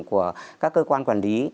của các cơ quan quản lý